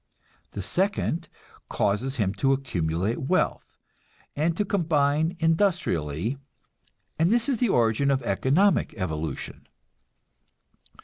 The second causes him to accumulate wealth, and to combine industrially, and this is the origin of economic evolution.